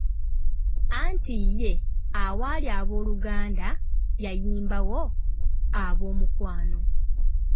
Anti ye, awaali "Abooluganda" yayimbawo "Aboomukwano".